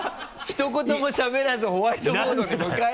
ひと言もしゃべらずホワイトボードに向かえよ！